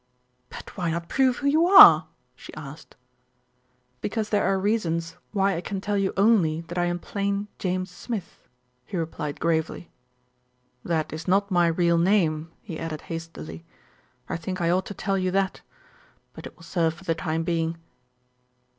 "But why not prove who you are?" she asked. "Because there are reasons why I can tell you only that I am plain James Smith," he replied gravely. "That is not my real name," he added hastily. "I think I ought to tell you that; but it will serve for the time being."